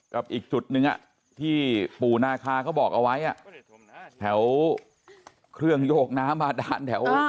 อีกจุดหนึ่งที่ปู่นาคาเขาบอกเอาไว้แถวเครื่องโยกน้ำบาดานแถว